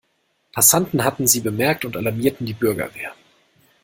Passanten hatten sie bemerkt und alarmierten die Bürgerwehr.